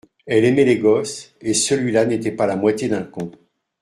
Elle aimait les gosses et celui-là n’était pas la moitié d’un con